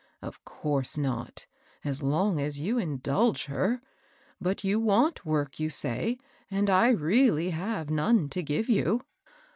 ^^ Of course not, as long as you indulge her. But you want work, you say, and I really have none to give you.